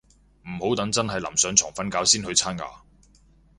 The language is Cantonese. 唔好等真係臨上床瞓覺先去刷牙